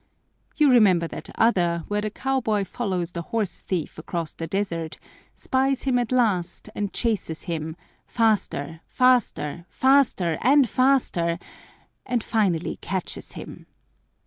You remember that other where the cowboy follows the horse thief across the desert, spies him at last and chases him faster, faster, faster, and faster, and finally catches him.